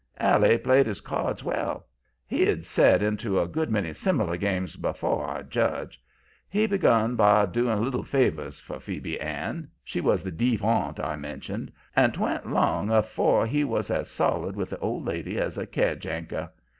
"Allie played his cards well; he'd set into a good many similar games afore, I judge. He begun by doing little favors for Phoebe Ann she was the deef aunt I mentioned and 'twa'n't long afore he was as solid with the old lady as a kedge anchor.